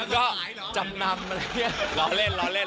ก็จำนำอะไรเฮีย